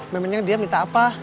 memangnya dia minta apa